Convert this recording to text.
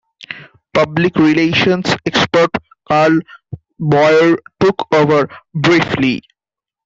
Public Relations expert Carl Byoir took over briefly.